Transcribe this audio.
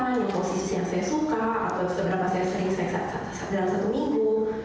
yang posisi yang saya suka atau seberapa sering saya seks dalam satu minggu